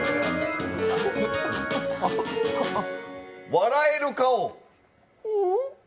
笑える顔。